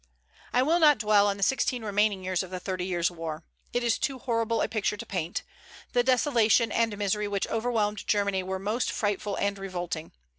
I will not dwell on the sixteen remaining years of the Thirty Years' War. It is too horrible a picture to paint. The desolation and misery which overwhelmed Germany were most frightful and revolting.